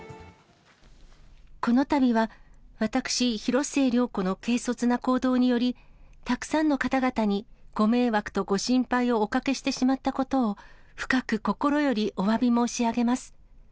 このたびは私、広末涼子の軽率な行動により、たくさんの方々にご迷惑とご心配をおかけしてしまったことを、深く心よりおわび申し上げます。